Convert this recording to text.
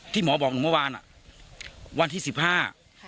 หมอบอกหนูเมื่อวานอ่ะวันที่สิบห้า